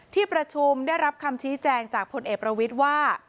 ที่ประชุมได้รับคำชี้แจงจากพลเอกประวิทย์ว่า